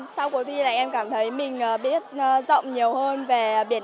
sau cuộc thi em cảm thấy mình biết rộng nhiều hơn về